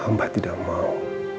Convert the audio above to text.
amba tidak mau